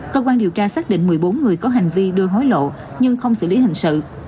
cơ quan điều tra xác định một mươi bốn người có hành vi đưa hối lộ nhưng không xử lý hình sự